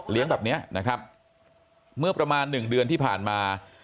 เลี้ยงแบบนี้นะครับเมื่อประมาณ๑เดือนที่ผ่านมา